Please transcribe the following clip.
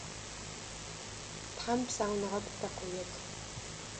Тхьэм псауныгъэ пытэ къыует.